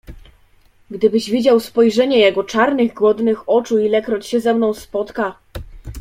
"Gdybyś widział spojrzenie jego czarnych, głodnych oczu, ilekroć się ze mną spotka!"